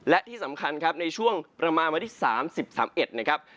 และที่สำคัญครับในช่วงประมาณวันที่๓๐๓๑นะครับ